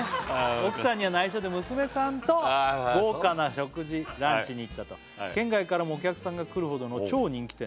奥さんには内緒で娘さんと豪華な食事ランチに行ったと「県外からもお客さんが来るほどの超人気店で」